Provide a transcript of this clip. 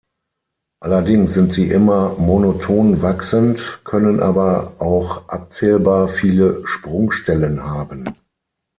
Allerdings sind sie immer monoton wachsend, können aber auch abzählbar viele Sprungstellen haben.